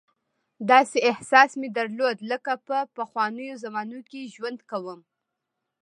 داسې احساس مې درلود لکه په پخوانیو زمانو کې ژوند کوم.